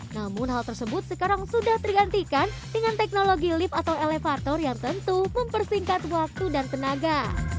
namun hal tersebut sekarang sudah tergantikan dengan teknologi lift atau elevator yang tentu mempersingkat waktu dan tenaga